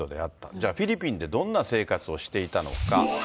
じゃあ、フィリピンでどんな生活をしていたのか。